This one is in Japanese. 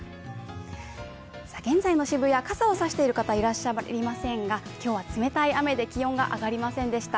現在の渋谷、傘を差していらっしゃる方はいらっしゃいませんが、今日は冷たい雨で気温が上がりませんでした。